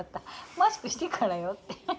マスクしてからよって。